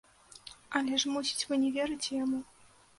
Але ж, мусіць, вы не верыце яму.